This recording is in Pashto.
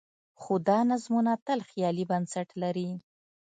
خو دا نظمونه تل خیالي بنسټ لري.